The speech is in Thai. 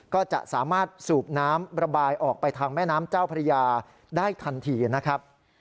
ก็จะสามารถสูบน้ำระบายออกไปทางแม่น้ำเจ้าพระยาได้ทันทีนะครับ